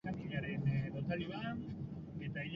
Eusebio Zesareakoak ez du aipatzen.